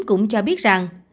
cũng cho biết rằng